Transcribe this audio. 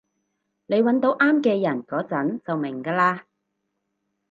你搵到啱嘅人嗰陣就明㗎喇